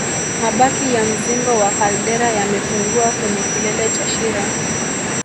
Mabaki ya mzingo wa kaldera yamepungua kwenye kilele cha shira